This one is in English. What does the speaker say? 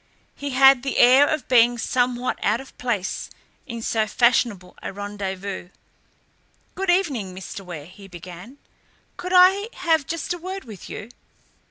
He had the air of being somewhat out of place in so fashionable a rendezvous. "Good evening, Mr. Ware!" he began. "Could I have just a word with you?"